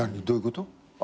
どういうこと？